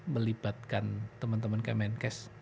melibatkan teman teman kemenkes